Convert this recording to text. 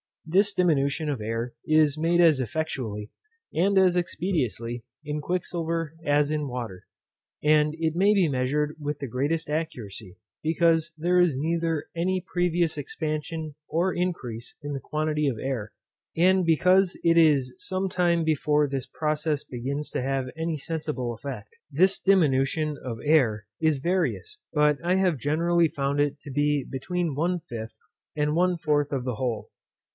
This diminution of air is made as effectually, and as expeditiously, in quicksilver as in water; and it may be measured with the greatest accuracy, because there is neither any previous expansion or increase of the quantity of air, and because it is some time before this process begins to have any sensible effect. This diminution of air is various; but I have generally found it to be between one fifth and one fourth of the whole.